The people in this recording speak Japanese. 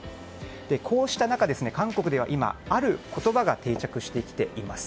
こうした中韓国では今ある言葉が定着してきています。